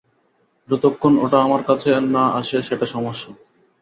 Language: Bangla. যতক্ষণ ওটা আমার কাছে না আসে, সেটা সমস্যা।